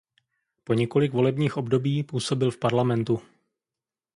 Po několik volebních období působil v parlamentu.